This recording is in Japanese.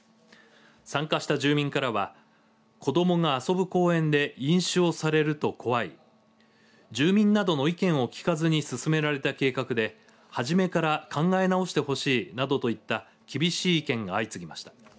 参加した住民からは子どもが遊ぶ公園で飲酒をされると怖い、住民などの意見を聞かずに進められた計画で初めから考え直してほしいなどといった厳しい意見が相次ぎました。